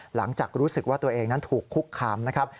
หลังจากรู้สึกว่าตัวเองนั้นถูกคุกคามนะครับ